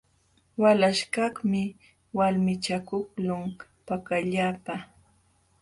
Walaśhkaqmi walmichakuqlun pakallapa.